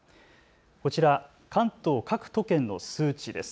こちら関東各都県の数値です。